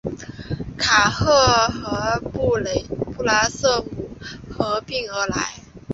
卡赫和布拉瑟姆合并而来。